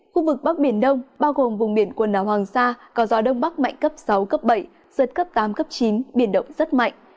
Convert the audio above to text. khu vực bắc biển đông bao gồm vùng biển quần đảo hoàng sa có gió đông bắc mạnh cấp sáu cấp bảy giật cấp tám cấp chín biển động rất mạnh